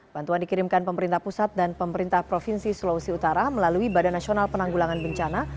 bantuan dikirimkan pemerintah pusat dan pemerintah provinsi sulawesi utara melalui badan nasional penanggulangan bencana